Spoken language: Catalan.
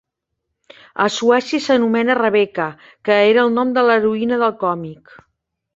A Suècia s'anomena "Rebecca", que era el nom de l'heroïna del còmic.